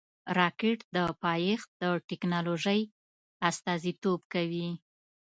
راکټ د پایښت د ټېکنالوژۍ استازیتوب کوي